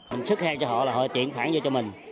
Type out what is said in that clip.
mình xức heo cho họ là họ chuyển khoản cho mình